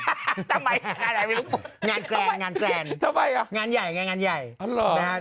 ไหนมีลูกโป่งงานแกร่งงานแกร่งทำไมงานใหญ่งานใหญ่งานใหญ่อร่อย